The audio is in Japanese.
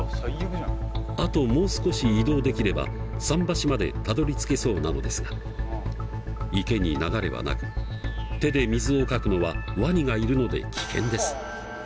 あともう少し移動できれば桟橋までたどりつけそうなのですが池に流れはなく手で水をかくのはワニがいるので危険です。